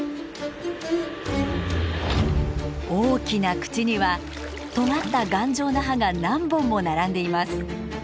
大きな口にはとがった頑丈な歯が何本も並んでいます。